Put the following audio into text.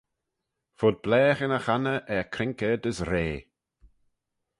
Fud blaaghyn y chonney er croink ard as rea.